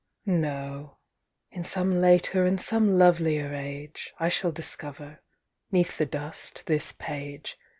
No ; in some later and some lovelier age I shall discover, 'neath the dust, this page.